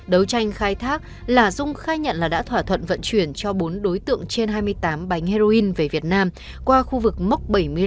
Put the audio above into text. đấu tranh khai thác là dung khai nhận là đã thỏa thuận vận chuyển cho bốn đối tượng trên hai mươi tám bánh heroin về việt nam qua khu vực mốc bảy mươi năm